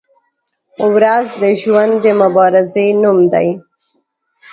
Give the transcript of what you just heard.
• ورځ د ژوند د مبارزې نوم دی.